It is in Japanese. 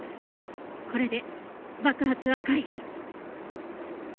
これで爆発は回避。